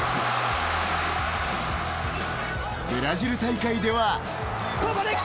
ブラジル大会では。